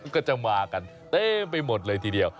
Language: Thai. ก็จะมากันเต็มไปหมดเลยทีเดียว